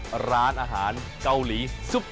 เอาล่ะเดินทางมาถึงในช่วงไฮไลท์ของตลอดกินในวันนี้แล้วนะครับ